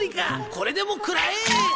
これでも食らえ！